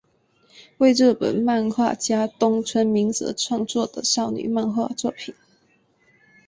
为日本漫画家东村明子创作的少女漫画作品。